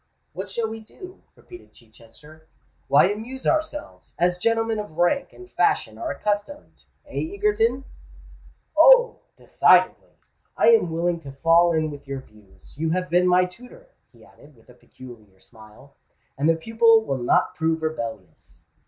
"What shall we do?" repeated Chichester. "Why, amuse ourselves—as gentlemen of rank and fashion are accustomed—eh, Egerton?" "Oh! decidedly. I am willing to fall in with your views. You have been my tutor," he added, with a peculiar smile; "and the pupil will not prove rebellious."